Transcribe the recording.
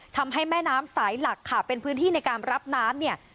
ทำให้แม่น้ำสายหลักค่ะเป็นพื้นที่ในการรับน้ำเนี่ย